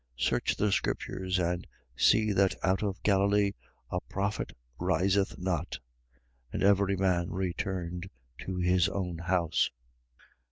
Search the scriptures, and see that out of Galilee a prophet riseth not. 7:53. And every man returned to his own house.